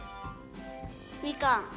みかん！